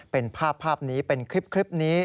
เป็นภาพนี้เป็นคลิปนี้